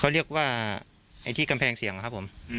เขาเรียกว่าไอ้ที่กำแพงเสียงนะครับผม